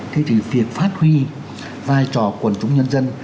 thế thì việc phát huy vai trò quần chúng nhân dân